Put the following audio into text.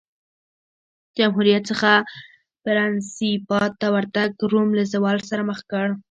جمهوریت څخه پرنسیپات ته ورتګ روم له زوال سره مخ کړ